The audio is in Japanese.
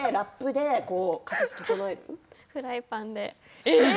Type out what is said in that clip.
フライパンで。